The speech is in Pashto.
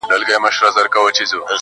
• شپه او ورځ مي په خوارۍ دئ ځان وژلى -